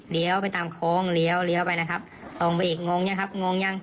ไปตามโค้งเลี้ยวเลี้ยวไปนะครับตรงไปอีกงงยังครับงงยัง